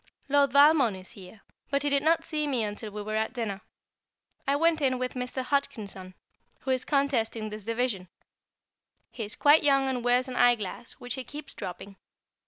Lord Valmond is here, but he did not see me until we were at dinner. I went in with Mr. Hodgkinson, who is contesting this Division; he is quite young and wears an eyeglass, which he keeps dropping.